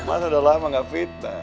mas udah lama nggak fitness